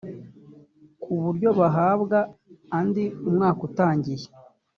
ku buryo bahabwa andi umwaka utangiye